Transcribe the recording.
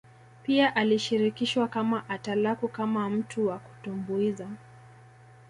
Pia alishirikishwa kama atalaku kama mtu wa kutumbuiza